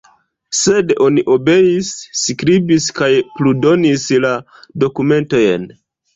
Sed oni obeis, skribis kaj pludonis la dokumentojn.